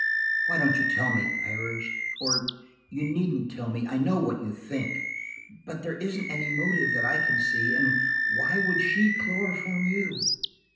"Why don't you tell me?" I urged. "Or–you needn't tell me, I know what you think. But there isn't any motive that I can see, and why would she chloroform you?"